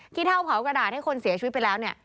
เท่าเผากระดาษให้คนเสียชีวิตไปแล้วเนี่ย